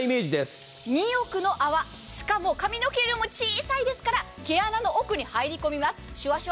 ２億の泡、しかも髪の毛よりも小さいですから毛穴の奥に入り込みます。